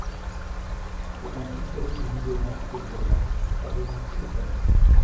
C'est un pistolet du nouveau genre que vous avez là ! Chargez-en tous les canons.